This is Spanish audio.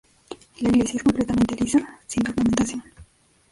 La iglesia es completamente lisa, sin ornamentación.